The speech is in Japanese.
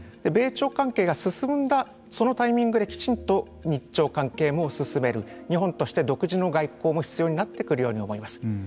米朝関係が進んだそのタイミングできちんと日朝関係も進める日本として独自の外交も必要になってくると思います。